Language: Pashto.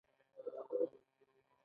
یو بل پانګوال په پام کې ونیسئ